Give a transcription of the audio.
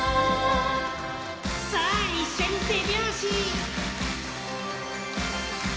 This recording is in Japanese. さあいっしょにてびょうし！